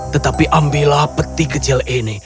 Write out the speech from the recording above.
tetapi ambillah peti kecil ini